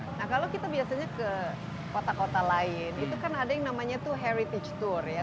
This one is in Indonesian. nah kalau kita biasanya ke kota kota lain itu kan ada yang namanya tuh heritage tour ya